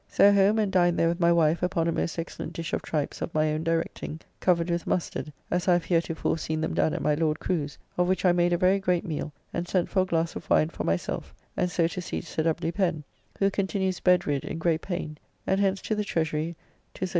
So home and dined there with my wife upon a most excellent dish of tripes of my own directing, covered with, mustard, as I have heretofore seen them done at my Lord Crew's, of which I made a very great meal, and sent for a glass of wine for myself, and so to see Sir W. Pen, who continues bed rid in great pain, and hence to the Treasury to Sir J.